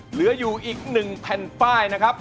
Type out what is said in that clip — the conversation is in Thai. เหลืออยู่อีก๑แผ่นป้ายนะครับ